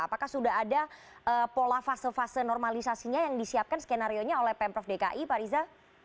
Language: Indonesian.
apakah sudah ada pola fase fase normalisasinya yang disiapkan skenario nya oleh pemprov dki pak riza